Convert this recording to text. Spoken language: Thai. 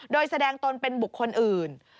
โดยแสดงตนเป็นบุคคลอื่น